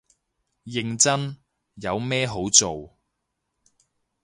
認真，有咩好做